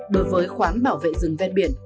đối với khoán bảo vệ rừng ven biển